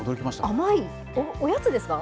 甘い、おやつですか？